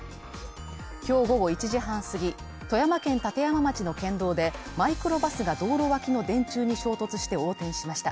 今日午後１時半すぎ、富山県立山町の県道でマイクロバスが道路脇の電柱に衝突して横転しました。